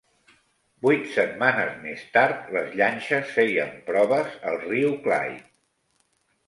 Vuit setmanes més tard les llanxes feien proves al riu Clyde.